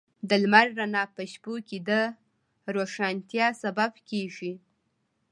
د لمر رڼا په شپو کې د روښانتیا سبب کېږي.